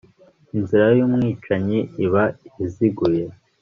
inzira y'umwicanyi iba iziguye